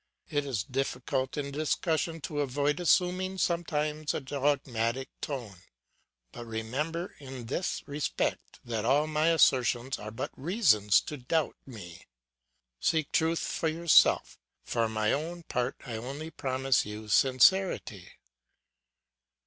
It is difficult in discussion to avoid assuming sometimes a dogmatic tone; but remember in this respect that all my assertions are but reasons to doubt me. Seek truth for yourself, for my own part I only promise you sincerity.